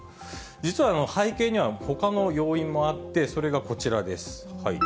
実は背景にはほかの要因もあって、それがこちらです。